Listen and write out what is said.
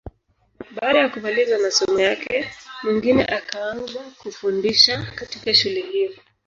Baada ya kumaliza masomo yake, Mwingine akaanza kufundisha katika shule hiyo.